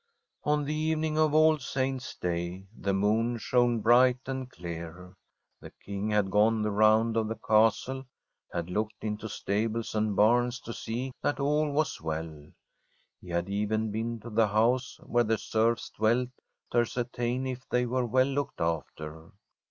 IV Ox the evening of All Saints' Day the moon shone bri^jht and clear. The King had gone the rv^und of the castle, had looked into stables ard hams to see that all was well ; he had even N^n to the house where the serfs dwelt to as certain if they were well looked after.